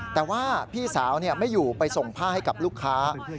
แต่ว่าพี่สาวไม่อยู่ไปส่งผ้าให้กับลูกค้า